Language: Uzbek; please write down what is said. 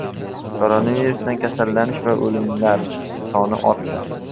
Koronavirusdan kasallanish va o‘limlar soni ortdi